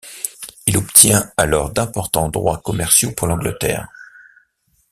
Il obtient alors d'importants droits commerciaux pour l'Angleterre.